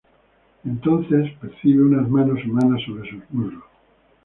Entonces percibe unas manos humanas sobre sus muslos.